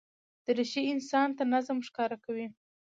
دریشي انسان ته نظم ښکاره کوي.